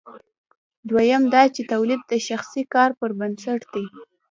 دویم دا چې تولید د شخصي کار پر بنسټ دی.